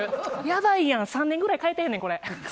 やばいやん、３年くらい替えてへんねん。